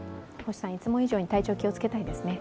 いつも以上に体調気をつけたいですね。